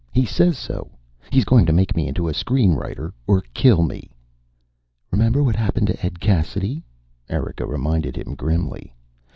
He says so. He's going to make me into a screen writer or kill me." "Remember what happened to Ed Cassidy?" Erika reminded him grimly.